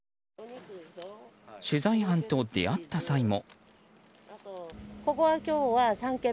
取材班と出会った際も。